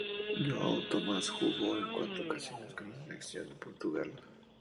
João Tomás jugó en cuatro ocasiones con la selección de Portugal.